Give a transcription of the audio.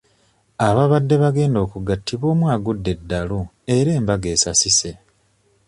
Ababadde bagenda okugattibwa omu agudde eddalu era embaga esasise.